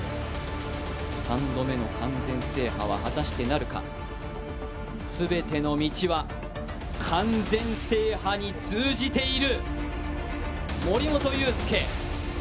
３度目の完全制覇は果たしてなるか全ての道は完全制覇に通じている。